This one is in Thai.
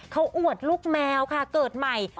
เขาอวดลูกแมวค่ะเกิดใหม่